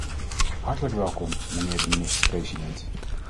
Hartelijk welkom, mijnheer de minister-president!